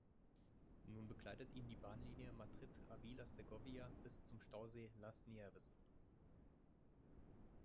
Nun begleitet ihn die Bahnlinie Madrid-Avila-Segovia bis zum Stausee "Las Nieves".